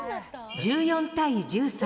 １４対１３。